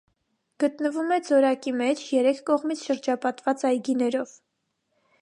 Գտնվում է ձորակի մեջ՝ երեք կողմից շրջապատված այգիներով։